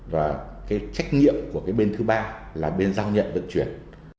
và cái trách nhiệm của cái bên thứ ba là bên giao nhận vận chuyển